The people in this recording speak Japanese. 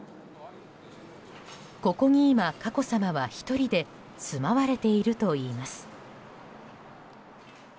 ここに今、佳子さまは１人で住まわれているといいます。